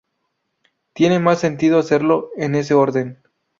Tiene más sentido hacerlo en ese orden.